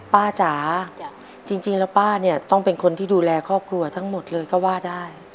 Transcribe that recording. จ๋าจริงแล้วป้าเนี่ยต้องเป็นคนที่ดูแลครอบครัวทั้งหมดเลยก็ว่าได้